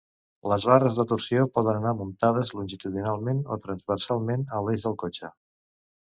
Les barres de torsió poden anar muntades longitudinalment o transversalment a l'eix del cotxe.